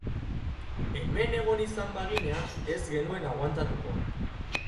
Hemen egon izan bagina, ez genuen aguantatuko.